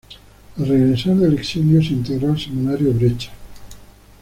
Al regresar del exilio se integró al semanario "Brecha".